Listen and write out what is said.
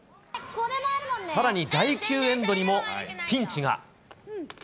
さらに第９エンドにもピンチが。